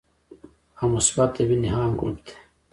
او مثبت د وینې عام ګروپ دی